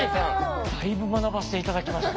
だいぶ学ばせて頂きました。